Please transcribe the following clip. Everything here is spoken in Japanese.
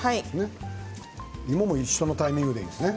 芋も一緒のタイミングでいいですね。